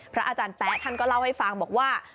อาจารย์แป๊ะท่านก็เล่าให้ฟังบอกว่า